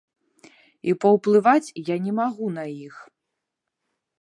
І паўплываць я не магу на іх.